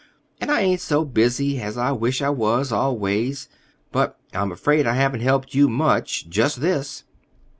and I ain't so busy as I wish I was, always. But I'm afraid I haven't helped you much—just this."